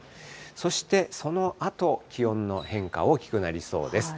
そしてそのあと、気温の変化、大きくなりそうです。